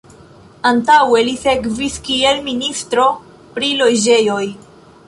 Antaŭe li servis kiel Ministro pri Loĝejoj.